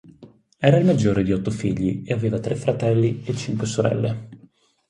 Era il maggiore di otto figli e aveva tre fratelli e cinque sorelle.